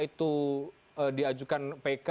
itu diajukan pk